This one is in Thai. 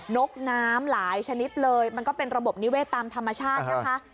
นกน้ำหลายชนิดเลยมันก็เป็นระบบนิเวศตามธรรมชาตินะคะ